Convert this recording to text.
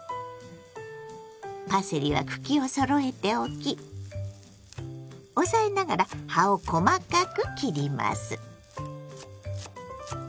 パセリは茎をそろえて置き押さえながら葉を細かく切ります。